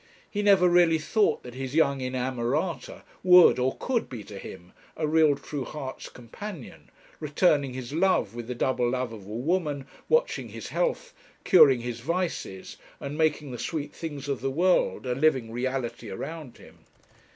He never really thought that his young inamorata would or could be to him a real true heart's companion, returning his love with the double love of a woman, watching his health, curing his vices, and making the sweet things of the world a living reality around him.